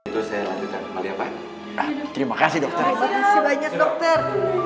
terima kasih dokter